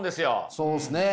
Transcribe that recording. そうですね。